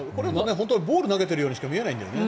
ボールを投げてるようにしか見えないよね。